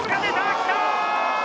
きた！